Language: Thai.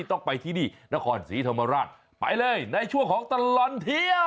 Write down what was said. ต้องไปที่นี่นครศรีธรรมราชไปเลยในช่วงของตลอดเที่ยว